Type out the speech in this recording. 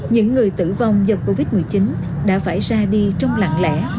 những người tử vong do covid một mươi chín đã phải ra đi trong lặng lẽ